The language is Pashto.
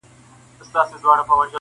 پسرلی وایې جهاني دي پرې باران سي-